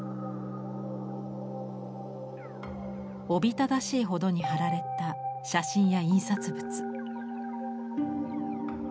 おびただしいほどに貼られた写真や印刷物。